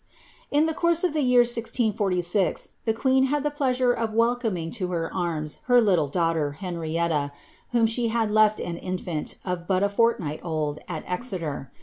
In the course of the year 1646, the queen had the pleasure of wel roniing to her arms her little daugliter, Henrietta, whom she had left an infant, of but a fortnight old, at Exeter.